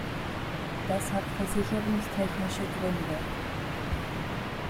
Das hat versicherungstechnische Gründe.